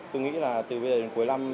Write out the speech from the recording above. tôi nghĩ là từ bây giờ đến cuối năm